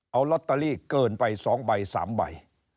เอาลอตเตอรี่เกินไป๒ใบ๓ใบ